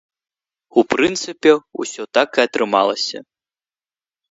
У прынцыпе, усё так і атрымалася.